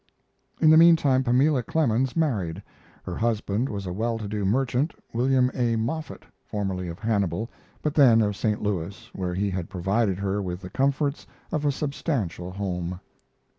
In the meantime Pamela Clemens married. Her husband was a well to do merchant, William A. Moffett, formerly of Hannibal, but then of St. Louis, where he had provided her with the comforts of a substantial home.